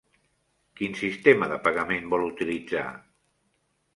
Quin sistema de pagament vol utilitzar?